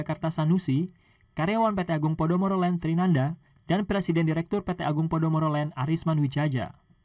mereka menangkap ketua komuniside dprd dki jakarta sanusi karyawan pt agung podomoro lend trinanda dan presiden direktur pt agung podomoro lend arisman wijaja